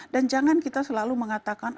dan jangan kita selalu mengatakan